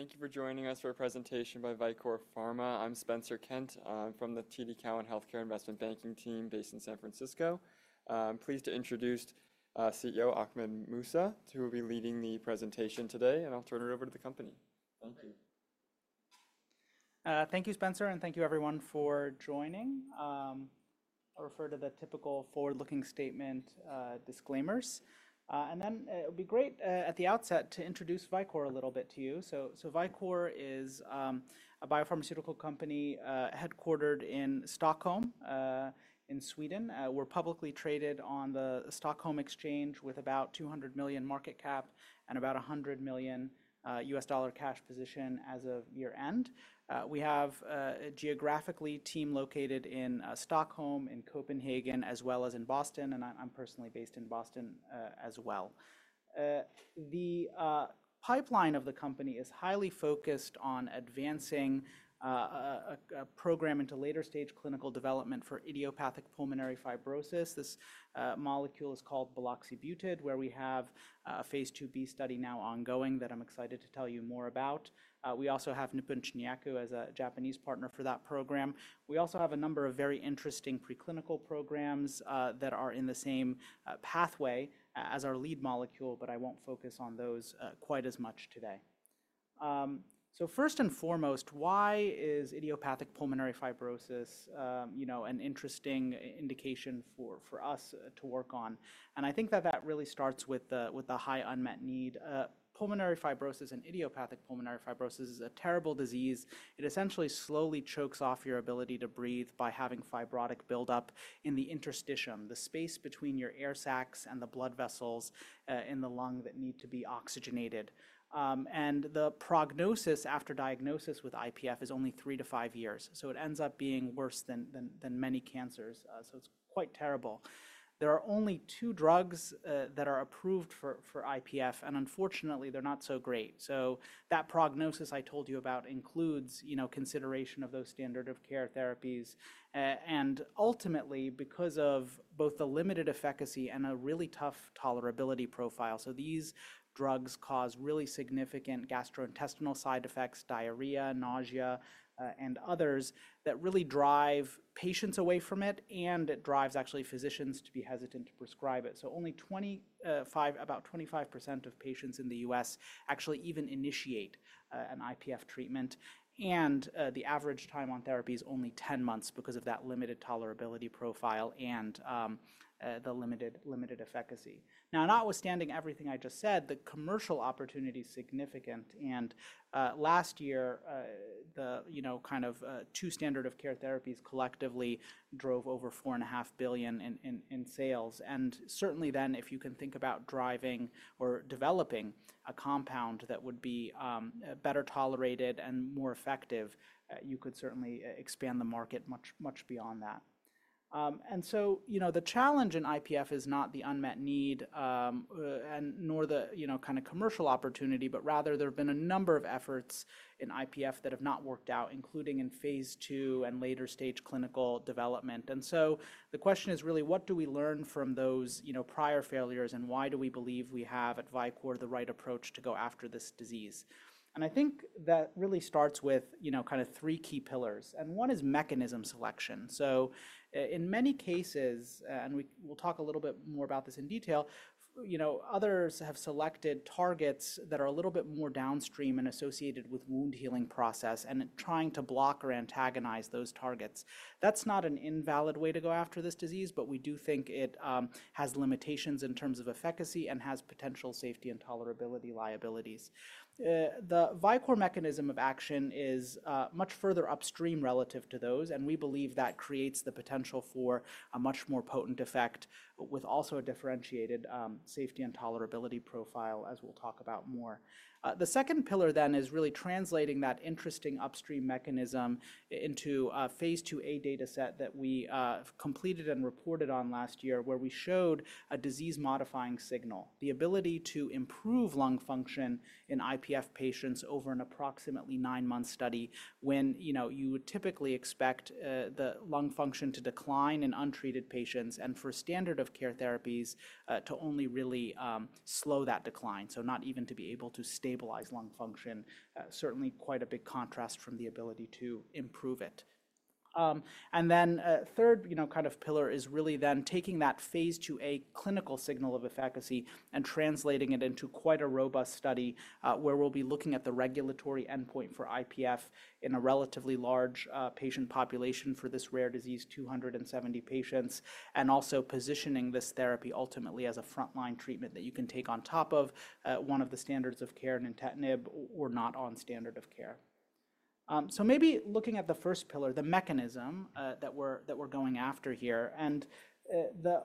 Thank you for joining us for a presentation by Vicore Pharma. I'm Spencer Kent. I'm from the TD Cowen Healthcare Investment Banking team based in San Francisco. I'm pleased to introduce CEO Ahmed Mousa, who will be leading the presentation today, and I'll turn it over to the company. Welcome. Thank you, Spencer, and thank you, everyone, for joining. I'll refer to the typical forward-looking statement disclaimers. It would be great at the outset to introduce Vicore a little bit to you. Vicore is a biopharmaceutical company headquartered in Stockholm in Sweden. We're publicly traded on the Stockholm Exchange with about $200 million market cap and about $100 million US dollar cash position as of year-end. We have geographically team located in Stockholm, in Copenhagen, as well as in Boston, and I'm personally based in Boston as well. The pipeline of the company is highly focused on advancing a program into later-stage clinical development for idiopathic pulmonary fibrosis. This molecule is called buloxibutid, where we have a phase IIb study now ongoing that I'm excited to tell you more about. We also have Nippon Shinyaku as a Japanese partner for that program. We also have a number of very interesting preclinical programs that are in the same pathway as our lead molecule, but I won't focus on those quite as much today. First and foremost, why is idiopathic pulmonary fibrosis an interesting indication for us to work on? I think that that really starts with the high unmet need. Pulmonary fibrosis and idiopathic pulmonary fibrosis is a terrible disease. It essentially slowly chokes off your ability to breathe by having fibrotic buildup in the interstitium, the space between your air sacs and the blood vessels in the lung that need to be oxygenated. The prognosis after diagnosis with IPF is only three to five years. It ends up being worse than many cancers. It's quite terrible. There are only two drugs that are approved for IPF, and unfortunately, they're not so great. That prognosis I told you about includes consideration of those standard of care therapies. Ultimately, because of both the limited efficacy and a really tough tolerability profile, these drugs cause really significant gastrointestinal side effects, diarrhea, nausea, and others that really drive patients away from it, and it drives actually physicians to be hesitant to prescribe it. Only about 25% of patients in the U.S. actually even initiate an IPF treatment. The average time on therapy is only 10 months because of that limited tolerability profile and the limited efficacy. Now, notwithstanding everything I just said, the commercial opportunity is significant. Last year, the kind of two standard of care therapies collectively drove over $4.5 billion in sales. Certainly then, if you can think about driving or developing a compound that would be better tolerated and more effective, you could certainly expand the market much beyond that. The challenge in IPF is not the unmet need nor the kind of commercial opportunity, but rather there have been a number of efforts in IPF that have not worked out, including in phase II and later-stage clinical development. The question is really, what do we learn from those prior failures, and why do we believe we have at Vicore the right approach to go after this disease? I think that really starts with kind of three key pillars. One is mechanism selection. In many cases, and we'll talk a little bit more about this in detail, others have selected targets that are a little bit more downstream and associated with wound healing process and trying to block or antagonize those targets. That's not an invalid way to go after this disease, but we do think it has limitations in terms of efficacy and has potential safety and tolerability liabilities. The Vicore mechanism of action is much further upstream relative to those, and we believe that creates the potential for a much more potent effect with also a differentiated safety and tolerability profile, as we'll talk about more. The second pillar then is really translating that interesting upstream mechanism into a phase IIA data set that we completed and reported on last year, where we showed a disease-modifying signal, the ability to improve lung function in IPF patients over an approximately nine-month study when you would typically expect the lung function to decline in untreated patients and for standard of care therapies to only really slow that decline, not even to be able to stabilize lung function, certainly quite a big contrast from the ability to improve it. A third kind of pillar is really then taking that phase IIa clinical signal of efficacy and translating it into quite a robust study where we'll be looking at the regulatory endpoint for IPF in a relatively large patient population for this rare disease, 270 patients, and also positioning this therapy ultimately as a frontline treatment that you can take on top of one of the standards of care, nintedanib, or not on standard of care. Maybe looking at the first pillar, the mechanism that we're going after here.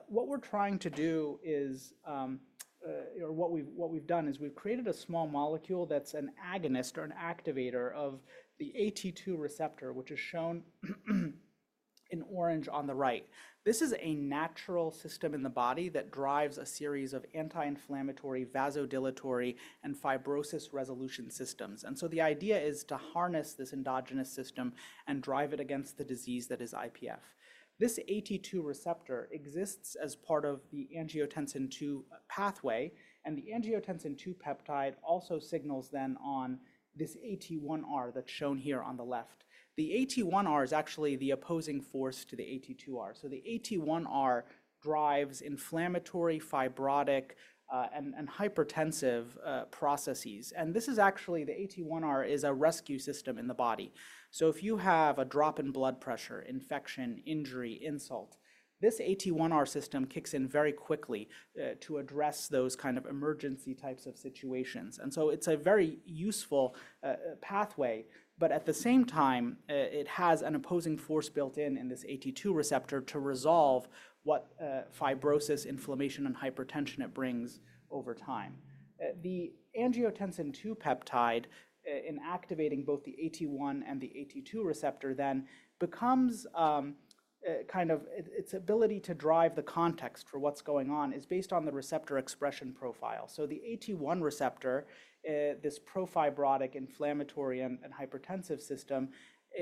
What we're trying to do is, or what we've done is we've created a small molecule that's an agonist or an activator of the AT2 receptor, which is shown in orange on the right. This is a natural system in the body that drives a series of anti-inflammatory, vasodilatory, and fibrosis resolution systems. The idea is to harness this endogenous system and drive it against the disease that is IPF. This AT2 receptor exists as part of the angiotensin II pathway, and the angiotensin II peptide also signals then on this AT1R that is shown here on the left. The AT1R is actually the opposing force to the AT2R. The AT1R drives inflammatory, fibrotic, and hypertensive processes. This is actually the AT1R is a rescue system in the body. If you have a drop in blood pressure, infection, injury, insult, this AT1R system kicks in very quickly to address those kind of emergency types of situations. It is a very useful pathway, but at the same time, it has an opposing force built in in this AT2 receptor to resolve what fibrosis, inflammation, and hypertension it brings over time. The angiotensin II peptide in activating both the AT1 and the AT2 receptor then becomes kind of its ability to drive the context for what's going on is based on the receptor expression profile. The AT1 receptor, this pro-fibrotic, inflammatory, and hypertensive system,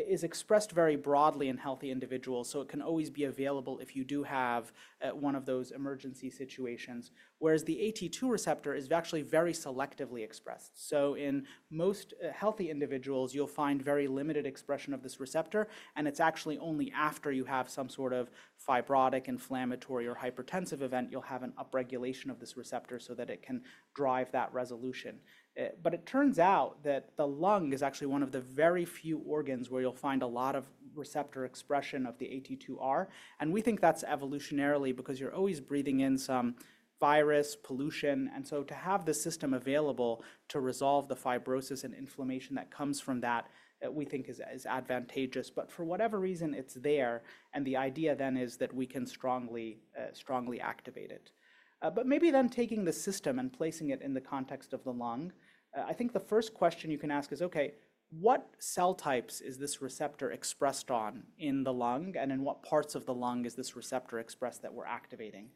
is expressed very broadly in healthy individuals, so it can always be available if you do have one of those emergency situations, whereas the AT2 receptor is actually very selectively expressed. In most healthy individuals, you'll find very limited expression of this receptor, and it's actually only after you have some sort of fibrotic, inflammatory, or hypertensive event you'll have an upregulation of this receptor so that it can drive that resolution. It turns out that the lung is actually one of the very few organs where you'll find a lot of receptor expression of the AT2R. We think that's evolutionarily because you're always breathing in some virus pollution. To have the system available to resolve the fibrosis and inflammation that comes from that, we think is advantageous. For whatever reason, it's there, and the idea then is that we can strongly activate it. Maybe then taking the system and placing it in the context of the lung, I think the first question you can ask is, okay, what cell types is this receptor expressed on in the lung, and in what parts of the lung is this receptor expressed that we're activating?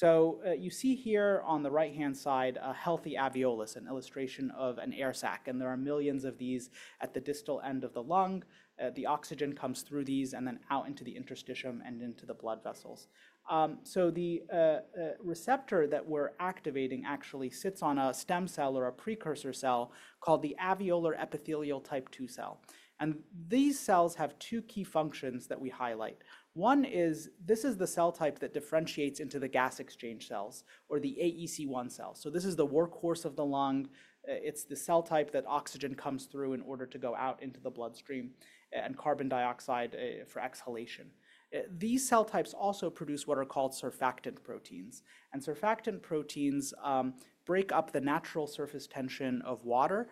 You see here on the right-hand side a healthy alveolus, an illustration of an air sac, and there are millions of these at the distal end of the lung. The oxygen comes through these and then out into the interstitium and into the blood vessels. The receptor that we're activating actually sits on a stem cell or a precursor cell called the alveolar epithelial type II cell. These cells have two key functions that we highlight. One is this is the cell type that differentiates into the gas exchange cells or the AEC1 cells. This is the workhorse of the lung. It's the cell type that oxygen comes through in order to go out into the bloodstream and carbon dioxide for exhalation. These cell types also produce what are called surfactant proteins. Surfactant proteins break up the natural surface tension of water.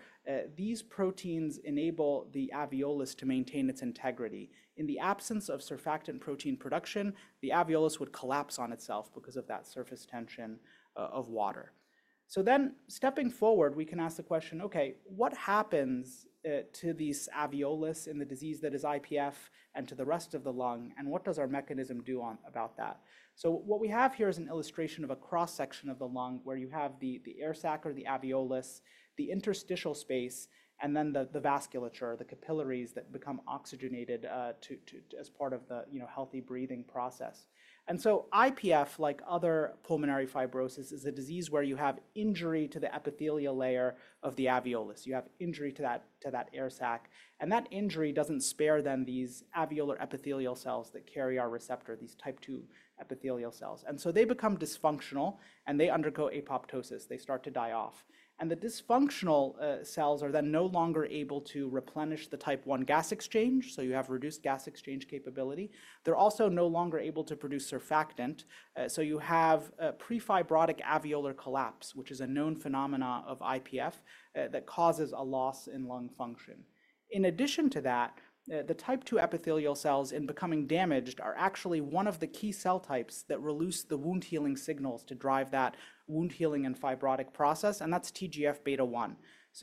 These proteins enable the alveolus to maintain its integrity. In the absence of surfactant protein production, the alveolus would collapse on itself because of that surface tension of water. Then stepping forward, we can ask the question, okay, what happens to these alveolus in the disease that is IPF and to the rest of the lung, and what does our mechanism do about that? What we have here is an illustration of a cross-section of the lung where you have the air sac or the alveolus, the interstitial space, and then the vasculature, the capillaries that become oxygenated as part of the healthy breathing process. IPF, like other pulmonary fibrosis, is a disease where you have injury to the epithelial layer of the alveolus. You have injury to that air sac. That injury doesn't spare then these alveolar epithelial cells that carry our receptor, these type II epithelial cells. They become dysfunctional, and they undergo apoptosis. They start to die off. The dysfunctional cells are then no longer able to replenish the type I gas exchange, so you have reduced gas exchange capability. They're also no longer able to produce surfactant. You have pre-fibrotic alveolar collapse, which is a known phenomenon of IPF that causes a loss in lung function. In addition to that, the type II epithelial cells in becoming damaged are actually one of the key cell types that release the wound healing signals to drive that wound healing and fibrotic process, and that's TGF beta-1.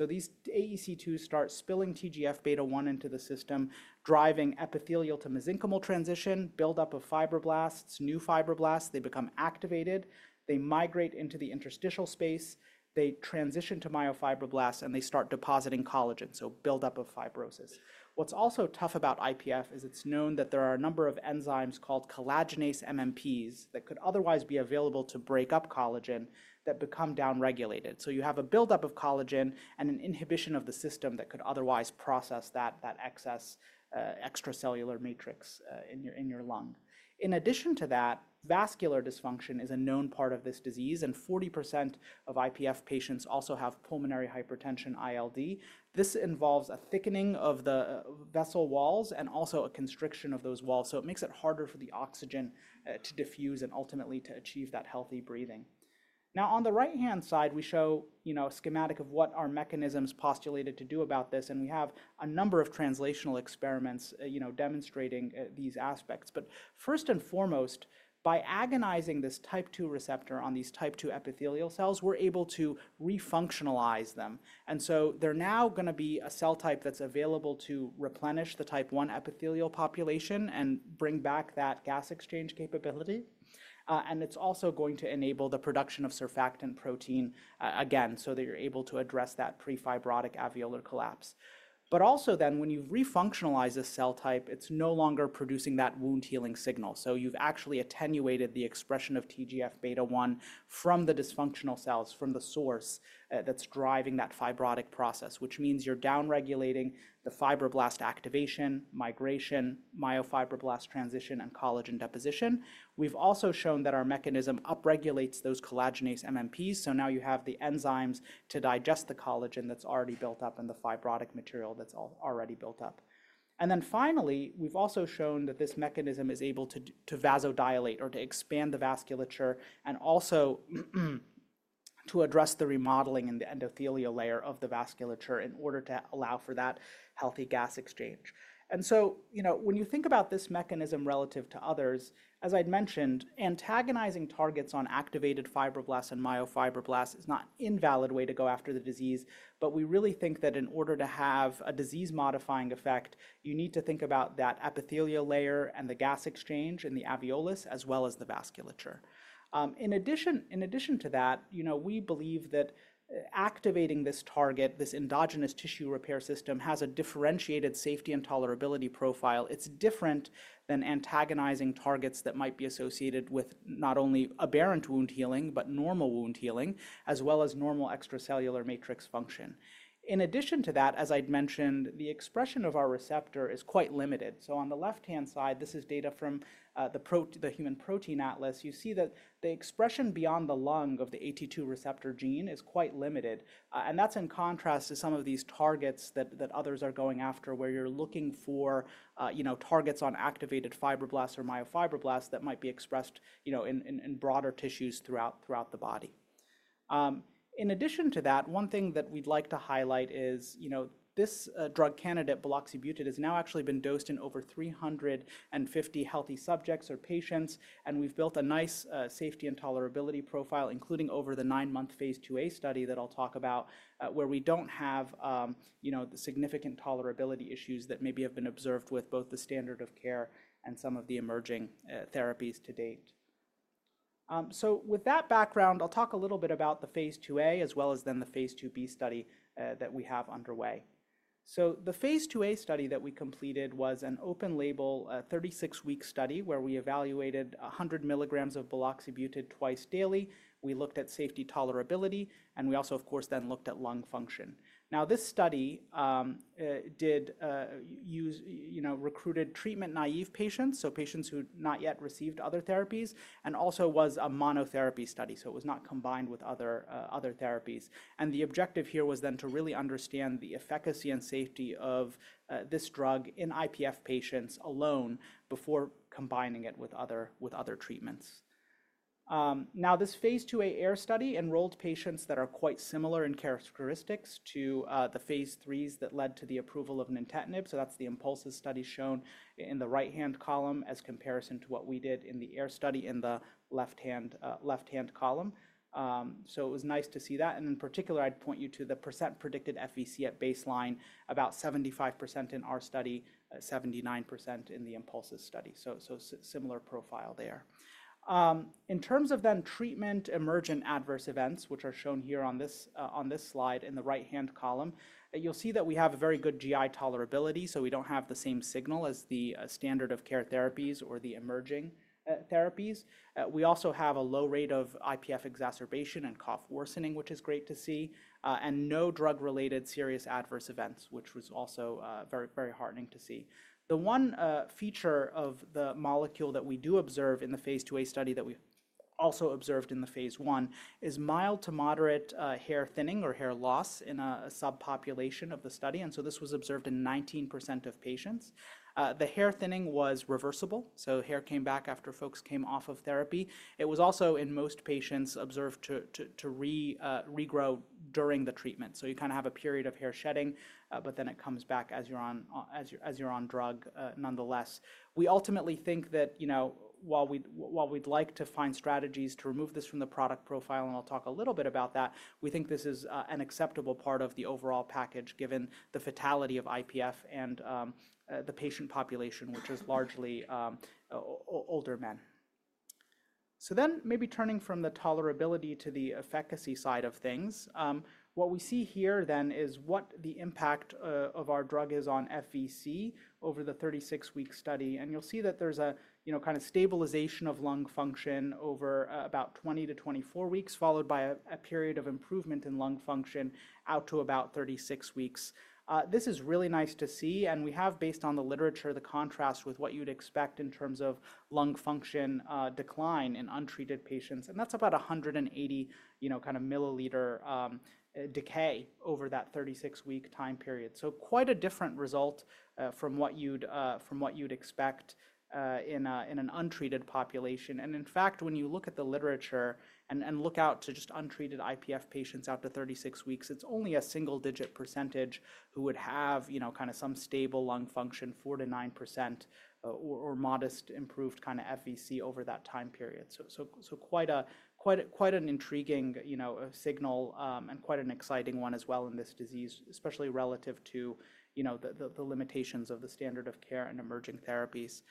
These AEC2s start spilling TGF beta-1 into the system, driving epithelial to mesenchymal transition, buildup of fibroblasts, new fibroblasts. They become activated. They migrate into the interstitial space. They transition to myofibroblasts, and they start depositing collagen, so buildup of fibrosis. What's also tough about IPF is it's known that there are a number of enzymes called collagenase MMPs that could otherwise be available to break up collagen that become downregulated. So you have a buildup of collagen and an inhibition of the system that could otherwise process that excess extracellular matrix in your lung. In addition to that, vascular dysfunction is a known part of this disease, and 40% of IPF patients also have pulmonary hypertension, ILD. This involves a thickening of the vessel walls and also a constriction of those walls, so it makes it harder for the oxygen to diffuse and ultimately to achieve that healthy breathing. Now, on the right-hand side, we show a schematic of what our mechanisms postulated to do about this, and we have a number of translational experiments demonstrating these aspects. First and foremost, by agonizing this type II receptor on these type II epithelial cells, we're able to refunctionalize them. They're now going to be a cell type that's available to replenish the type I epithelial population and bring back that gas exchange capability. It's also going to enable the production of surfactant protein again so that you're able to address that pre-fibrotic alveolar collapse. Also, when you refunctionalize a cell type, it's no longer producing that wound healing signal. You've actually attenuated the expression of TGF beta-1 from the dysfunctional cells, from the source that's driving that fibrotic process, which means you're downregulating the fibroblast activation, migration, myofibroblast transition, and collagen deposition. We've also shown that our mechanism upregulates those collagenase MMPs, so now you have the enzymes to digest the collagen that's already built up in the fibrotic material that's already built up. Finally, we've also shown that this mechanism is able to vasodilate or to expand the vasculature and also to address the remodeling in the endothelial layer of the vasculature in order to allow for that healthy gas exchange. When you think about this mechanism relative to others, as I'd mentioned, antagonizing targets on activated fibroblasts and myofibroblasts is not an invalid way to go after the disease, but we really think that in order to have a disease-modifying effect, you need to think about that epithelial layer and the gas exchange in the alveolus as well as the vasculature. In addition to that, we believe that activating this target, this endogenous tissue repair system, has a differentiated safety and tolerability profile. It's different than antagonizing targets that might be associated with not only aberrant wound healing, but normal wound healing, as well as normal extracellular matrix function. In addition to that, as I'd mentioned, the expression of our receptor is quite limited. On the left-hand side, this is data from the Human Protein Atlas. You see that the expression beyond the lung of the AT2 receptor gene is quite limited, and that's in contrast to some of these targets that others are going after where you're looking for targets on activated fibroblasts or myofibroblasts that might be expressed in broader tissues throughout the body. In addition to that, one thing that we'd like to highlight is this drug candidate, buloxibutid, has now actually been dosed in over 350 healthy subjects or patients, and we've built a nice safety and tolerability profile, including over the nine-month phase IIa study that I'll talk about, where we don't have the significant tolerability issues that maybe have been observed with both the standard of care and some of the emerging therapies to date. With that background, I'll talk a little bit about the phase IIa as well as then the phase IIb study that we have underway. The phase IIa study that we completed was an open-label 36-week study where we evaluated 100 milligrams of buloxibutid twice daily. We looked at safety, tolerability, and we also, of course, then looked at lung function. Now, this study did recruit treatment naive patients, so patients who had not yet received other therapies, and also was a monotherapy study, so it was not combined with other therapies. The objective here was then to really understand the efficacy and safety of this drug in IPF patients alone before combining it with other treatments. This phase IIa AIR study enrolled patients that are quite similar in characteristics to the phase III studies that led to the approval of nintedanib, so that's the INPULSIS study shown in the right-hand column as comparison to what we did in the AIR study in the left-hand column. It was nice to see that. In particular, I'd point you to the % predicted FVC at baseline, about 75% in our study, 79% in the INPULSIS study. Similar profile there. In terms of then treatment, emergent adverse events, which are shown here on this slide in the right-hand column, you'll see that we have a very good GI tolerability, so we don't have the same signal as the standard of care therapies or the emerging therapies. We also have a low rate of IPF exacerbation and cough worsening, which is great to see, and no drug-related serious adverse events, which was also very heartening to see. The one feature of the molecule that we do observe in the phase IIA study that we also observed in the phase I is mild to moderate hair thinning or hair loss in a subpopulation of the study, and so this was observed in 19% of patients. The hair thinning was reversible, so hair came back after folks came off of therapy. It was also in most patients observed to regrow during the treatment. You kind of have a period of hair shedding, but then it comes back as you're on drug nonetheless. We ultimately think that while we'd like to find strategies to remove this from the product profile, and I'll talk a little bit about that, we think this is an acceptable part of the overall package given the fatality of IPF and the patient population, which is largely older men. Maybe turning from the tolerability to the efficacy side of things, what we see here then is what the impact of our drug is on FVC over the 36-week study, and you'll see that there's a kind of stabilization of lung function over about 20-24 weeks, followed by a period of improvement in lung function out to about 36 weeks. This is really nice to see, and we have, based on the literature, the contrast with what you'd expect in terms of lung function decline in untreated patients, and that's about 180 milliliter decay over that 36-week time period. Quite a different result from what you'd expect in an untreated population. In fact, when you look at the literature and look out to just untreated IPF patients out to 36 weeks, it's only a single-digit percentage who would have some stable lung function, 4-9%, or modest improved FVC over that time period. Quite an intriguing signal and quite an exciting one as well in this disease, especially relative to the limitations of the standard of care and emerging therapies.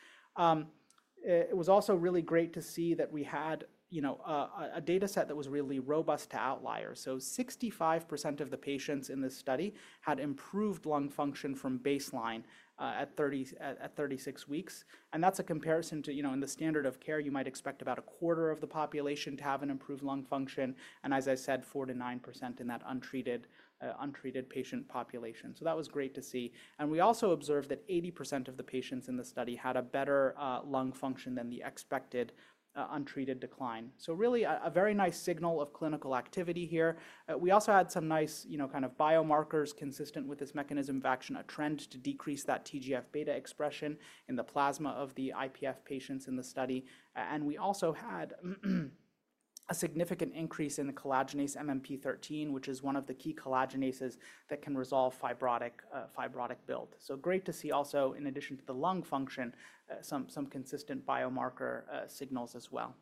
It was also really great to see that we had a dataset that was really robust to outliers. Sixty-five percent of the patients in this study had improved lung function from baseline at 36 weeks, and that's a comparison to, in the standard of care, you might expect about a quarter of the population to have an improved lung function, and as I said, 4-9% in that untreated patient population. That was great to see. We also observed that 80% of the patients in the study had a better lung function than the expected untreated decline. Really a very nice signal of clinical activity here. We also had some nice kind of biomarkers consistent with this mechanism of action, a trend to decrease that TGF beta-1 expression in the plasma of the IPF patients in the study. We also had a significant increase in the collagenase MMP-13, which is one of the key collagenases that can resolve fibrotic build. So great to see also, in addition to the lung function, some consistent biomarker signals as well.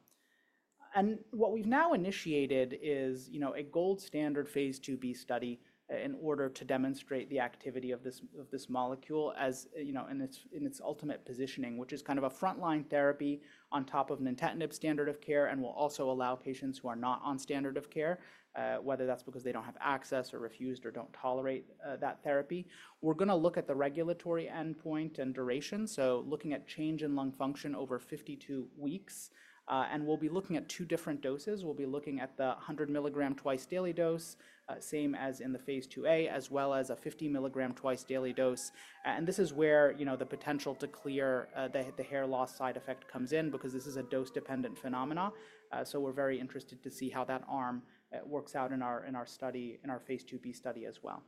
What we have now initiated is a gold standard phase IIb study in order to demonstrate the activity of this molecule in its ultimate positioning, which is kind of a frontline therapy on top of nintedanib standard of care and will also allow patients who are not on standard of care, whether that is because they do not have access or refused or do not tolerate that therapy. We are going to look at the regulatory endpoint and duration, so looking at change in lung function over 52 weeks, and we will be looking at two different doses. We will be looking at the 100 milligram twice daily dose, same as in the phase IIa, as well as a 50 milligram twice daily dose. This is where the potential to clear the hair loss side effect comes in because this is a dose-dependent phenomenon. We are very interested to see how that arm works out in our study, in our phase IIb study as well.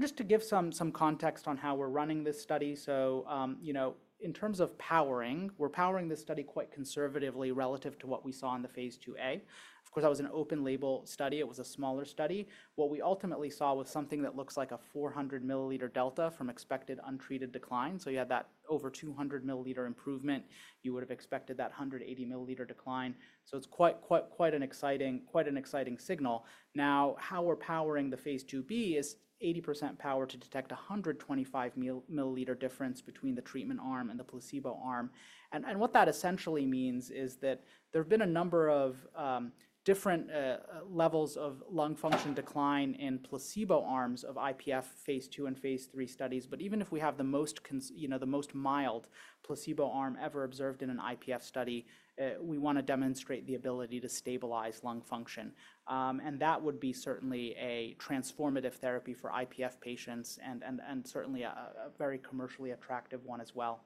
Just to give some context on how we are running this study, in terms of powering, we are powering this study quite conservatively relative to what we saw in the phase IIa. Of course, that was an open-label study. It was a smaller study. What we ultimately saw was something that looks like a 400 milliliter delta from expected untreated decline. You had that over 200 milliliter improvement. You would have expected that 180 milliliter decline. It is quite an exciting signal. Now, how we are powering the phase IIb is 80% power to detect a 125 milliliter difference between the treatment arm and the placebo arm. What that essentially means is that there have been a number of different levels of lung function decline in placebo arms of IPF phase II and phase III studies, but even if we have the most mild placebo arm ever observed in an IPF study, we want to demonstrate the ability to stabilize lung function. That would be certainly a transformative therapy for IPF patients and certainly a very commercially attractive one as well.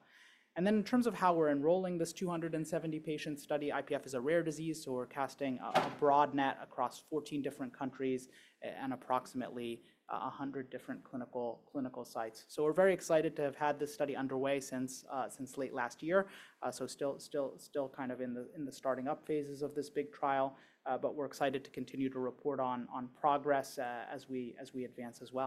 In terms of how we're enrolling this 270-patient study, IPF is a rare disease, so we're casting a broad net across 14 different countries and approximately 100 different clinical sites. We are very excited to have had this study underway since late last year, so still kind of in the starting-up phases of this big trial, but we're excited to continue to report on progress as we advance as well.